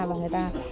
và người ta